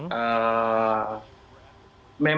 memang situasinya berbeda